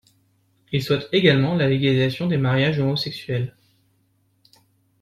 Il souhaite également la légalisation des mariages homosexuels.